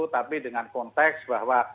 tapi dengan konteks bahwa